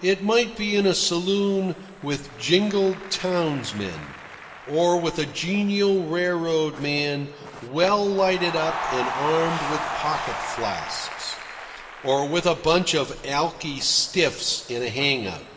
It might be in a saloon with jingled townsmen, or with a genial railroad man well lighted up and armed with pocket flasks, or with a bunch of alki stiffs in a hang out.